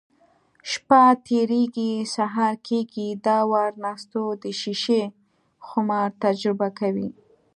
شپه تېرېږي، سهار کېږي. دا وار نستوه د شیشې خمار تجربه کوي: